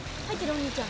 お兄ちゃん。